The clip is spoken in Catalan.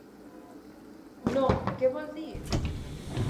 No, què vol dir?